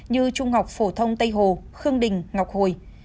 như trung học phổ thông tây hồ khương đình ngọc hồi